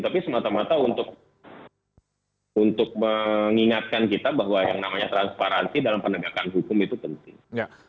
tapi semata mata untuk mengingatkan kita bahwa yang namanya transparansi dalam penegakan hukum itu penting